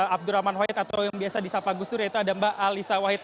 abdurrahman wahid atau yang biasa di sapang gustur yaitu ada mbak alisa wahid